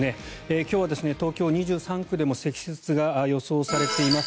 今日は東京２３区でも積雪が予想されています。